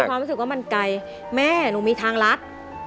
ความรู้สึกว่ามันไกลแม่หนูมีทางรัด